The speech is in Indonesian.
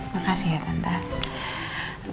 makasih ya tante